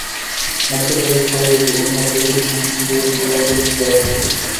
মদ্যপায়ী, ক্ষয়রোগী, উন্মাদ প্রভৃতির সন্তানদিগকে বিবাহ করিতে দেওয়া হইবে না।